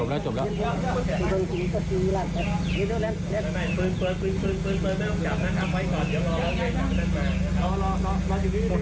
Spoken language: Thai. รออยู่นี่รอปืนไฟฟ้า